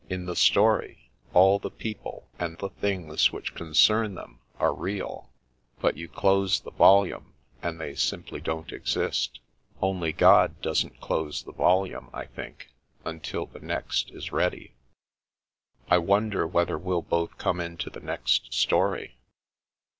In the story, all the pec^le and the things which concern them are real, but you close the volume and they simply don't exist. Only God doesn't close the volume, I think, until the next is ready." " I wonder whether we'll both come into the next story?"